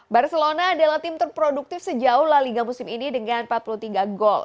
barcelona adalah tim terproduktif sejauh la liga musim ini dengan empat puluh tiga gol